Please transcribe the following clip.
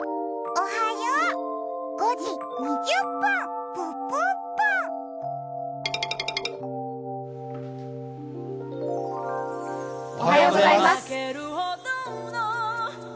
おはようございます。